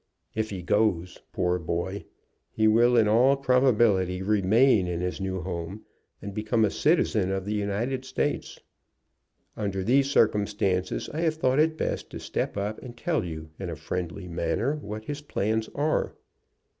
If he goes, poor boy! he will in all probability remain in his new home and become a citizen of the United States. Under these circumstances I have thought it best to step up and tell you in a friendly manner what his plans are."